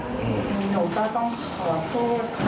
อืมหนูก็ต้องขอโทษขอขอบคุณรักพี่ตะเมียด้วยนะคะ